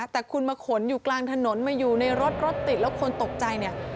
แต่คุณมาขนอยู่กลางถนนมาอยู่ในรถรถติดแล้วคนตกใจเนี่ย